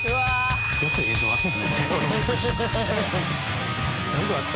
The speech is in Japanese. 「よく映像あった」